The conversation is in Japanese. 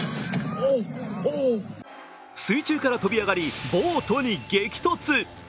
水中から飛び上がりボートに激突！